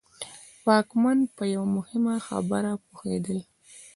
واکمن په یوه مهمه خبره پوهېدل.